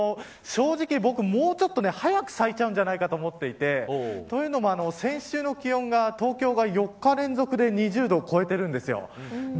正直、僕、もうちょっと早く咲いちゃうんじゃないかと思っていてというのも、先週の気温が東京が４日連続で２０度を超えているんですよ。